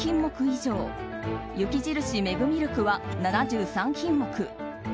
以上雪印メグミルクは７３品目。